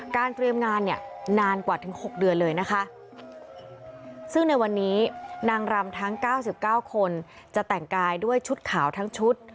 เตรียมงานเนี่ยนานกว่าถึง๖เดือนเลยนะคะซึ่งในวันนี้นางรำทั้ง๙๙คนจะแต่งกายด้วยชุดขาวทั้งชุด